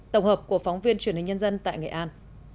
tổng hợp của phóng viên truyền hình nhân dân tại nghệ an